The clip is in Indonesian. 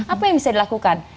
apa yang bisa dilakukan